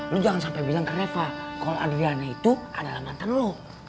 lo jangan sampai bilang ke reva kalau adriana itu adalah mantan lo